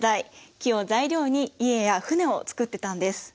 木を材料に家や船を作ってたんです。